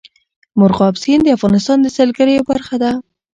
مورغاب سیند د افغانستان د سیلګرۍ یوه برخه ده.